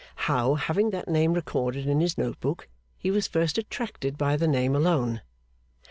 How, having that name recorded in his note book, he was first attracted by the name alone.